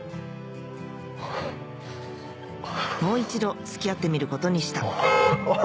もう一度付き合ってみることにしたあっ。